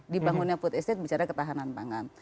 dibangunnya food estate bicara ketahanan pangan